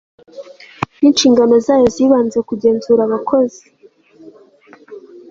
n inshingano zayo z ibanze kugenzura abakozi